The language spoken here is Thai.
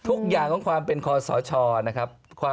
ทุกอย่างของความเป็นคอสชนะครับ